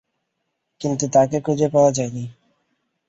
কিন্তু তাকে খুঁজে পাওয়া যায়নি।